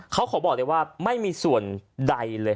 เขาขอบอกเลยว่าไม่มีส่วนใดเลย